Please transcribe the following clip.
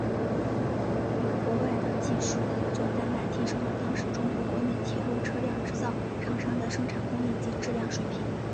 与国外的技术合作大大提升了当时中国国内铁路车辆制造厂商的生产工艺及质量水平。